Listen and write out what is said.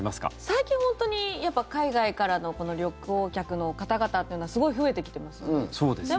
最近、本当に海外からの旅行客の方々というのはすごく増えてきていますよね。